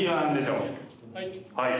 はい。